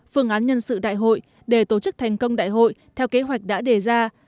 phương án nhân sự đại hội để tổ chức thành công đại hội theo kế hoạch đã đề ra